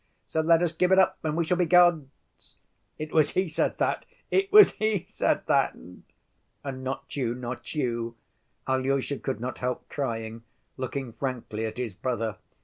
So let us give it up, and we shall be gods.' It was he said that, it was he said that!" "And not you, not you?" Alyosha could not help crying, looking frankly at his brother.